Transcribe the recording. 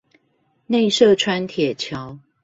內社川鐵橋